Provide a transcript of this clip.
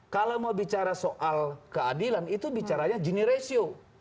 kalau mau bicara soal keadilan itu bicaranya jenis ratio